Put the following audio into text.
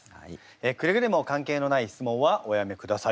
くれぐれも関係のない質問はおやめください。